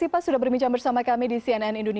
untuk memutuskan masalah ekonomi